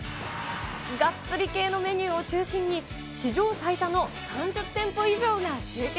がっつり系のメニューを中心に、史上最多の３０店舗以上が集結。